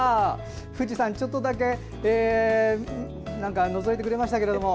富士山、ちょっとだけのぞいてくれましたけども。